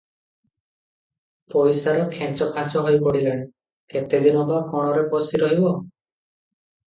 ପଇସାର ଖେଞ୍ଚଖାଞ୍ଚ ହୋଇ ପଡିଲାଣି, କେତେଦିନ ବା କୋଣରେ ପଶି ରହିବ?